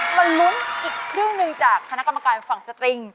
มาลุ้นอีกครึ่งหนึ่งจากคณะกรรมการฝั่งสตริง